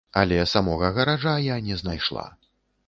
Але самога гаража я не знайшла.